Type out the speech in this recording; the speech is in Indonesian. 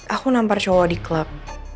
aku nampar show di klub